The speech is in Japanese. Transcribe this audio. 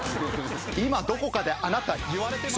今どこかであなた言われてますよ。